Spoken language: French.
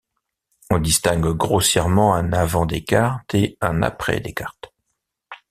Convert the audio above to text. On distingue grossièrement un avant Descartes et un après Descartes.